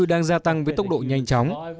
đang gia tăng với tốc độ nhanh chóng